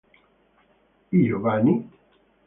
I giovani?